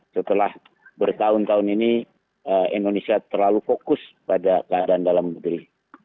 setelah bertahun tahun ini indonesia terlalu fokus pada keadaan dalam negeri